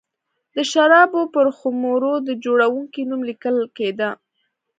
د شرابو پر خُمرو د جوړوونکي نوم لیکل کېده.